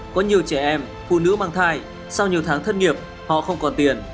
có nhiều trẻ em phụ nữ mang thai sau nhiều tháng thất nghiệp họ không còn tiền